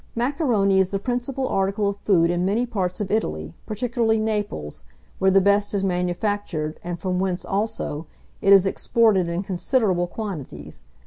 Macaroni is the principal article of food in many parts of Italy, particularly Naples, where the best is manufactured, and from whence, also, it is exported in considerable quantities.